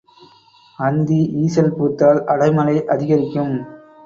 அந்தி ஈசல் பூத்தால் அடைமழை அதிகரிக்கும்.